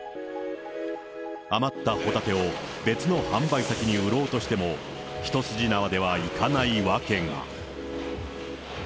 余ったホタテを別の販売先に売ろうとしても、一筋縄ではいかないわけが。